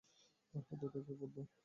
তার হাতে থাকে পদ্ম।